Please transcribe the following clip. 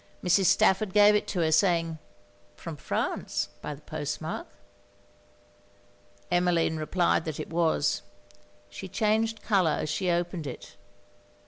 Mrs. Stafford gave it to her, saying 'From France, by the post mark?' Emmeline replied that it was. She changed colour as she opened it.